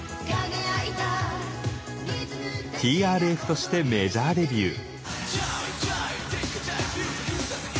ｔｒｆとしてメジャーデビュー。